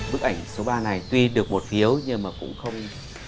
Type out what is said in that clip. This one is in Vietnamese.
bức ảnh số ba này tuy được một phiếu nhưng mà cũng không